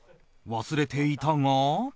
忘れていたが